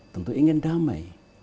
tentu ingin damai